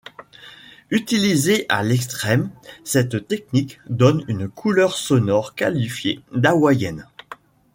Utilisée à l'extrême, cette technique donne une couleur sonore qualifiée d'hawaïenne.